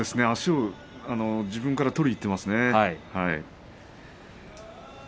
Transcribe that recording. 足を自分から取りにいっていますね。